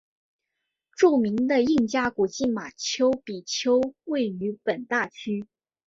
著名的印加古迹马丘比丘位于本大区。